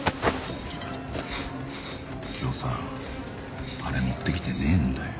今日さあれ持ってきてねえんだよ。